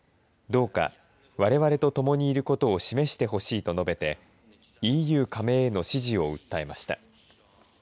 どうかわれわれとともにいることを示してほしいと述べてＥＵ加盟への支持を訴えました。